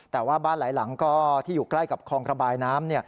แต่ว่าบ้านหลายหลังก็ที่อยู่ใกล้กับคลองระบายน้ำ